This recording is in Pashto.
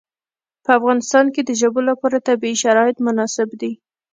په افغانستان کې د ژبو لپاره طبیعي شرایط مناسب دي.